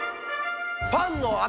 パンの頭。